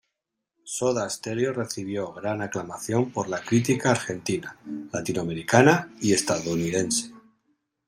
Soda Stereo recibió gran aclamación por la crítica argentina, latinoamericana y estadounidense.